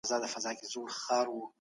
فساد د ټولني امن له منځه وړي.